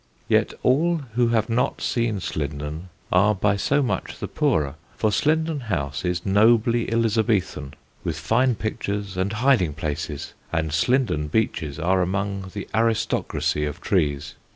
Yet all who have not seen Slindon are by so much the poorer, for Slindon House is nobly Elizabethan, with fine pictures and hiding places, and Slindon beeches are among the aristocracy of trees.